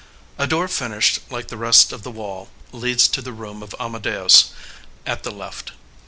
A door finished like the rest of the wall leads to the room of Amadeus at the left.